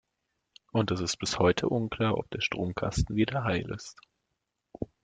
Und es ist bis heute unklar, ob der Stromkasten wieder heil ist.